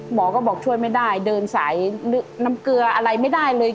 หมอก็บอกช่วยไม่ได้เดินสายน้ำเกลืออะไรไม่ได้เลย